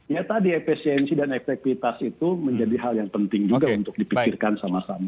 ya tadi efisiensi dan efektivitas itu menjadi hal yang penting juga untuk dipikirkan sama sama